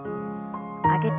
上げて。